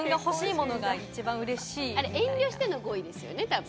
あれ、遠慮しての５位ですよね。